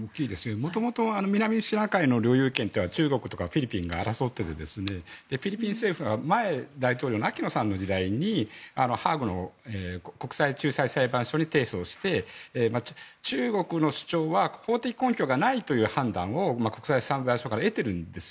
元々、南シナ海の領有権は中国とかフィリピンが争っていてフィリピン政府が前、大統領のアキノさんの時代にハーグの国際仲裁裁判所に提訴して中国の主張は根拠がないという国際裁判所から得ているんです。